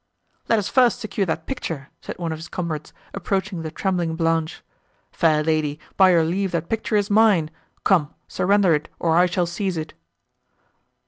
"Let us first secure that picture," said one of his comrades, approaching the trembling Blanche. "Fair lady, by your leave that picture is mine; come, surrender it, or I shall seize it."